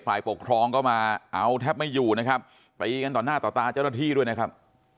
ฝ่ายปกครองก็มาเอาแทบไม่อยู่นะครับตีกันต่อหน้าต่อตาเจ้าหน้าที่ด้วยนะครับ